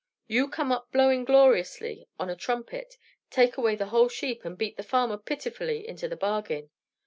You come up blowing gloriously on a trumpet, take away the whole sheep, and beat the farmer pitifully into the bargain.